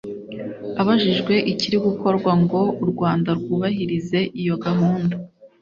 Abajijwe ikiri gukorwa ngo u Rwanda rwubahirize iyo gahunda